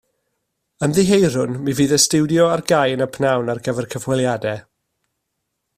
Ymddiheurwn, mi fydd y stiwdio ar gau yn y pnawn ar gyfer cyfweliadau